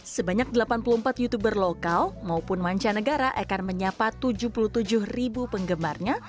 sebanyak delapan puluh empat youtuber lokal maupun mancanegara akan menyapa tujuh puluh tujuh ribu penggemarnya